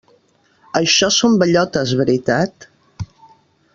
Això són bellotes, veritat?